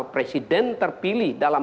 presiden terpilih dalam